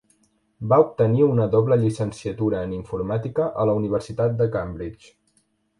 Va obtenir una doble llicenciatura en informàtica a la Universitat de Cambridge.